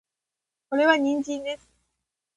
これは人参です